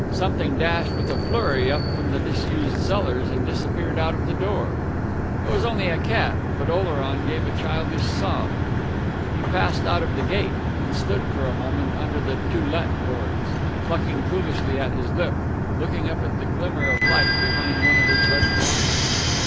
Something dashed with a flurry up from the disused cellars and disappeared out of the door. It was only a cat, but Oleron gave a childish sob. He passed out of the gate, and stood for a moment under the "To Let" boards, plucking foolishly at his lip and looking up at the glimmer of light behind one of his red blinds.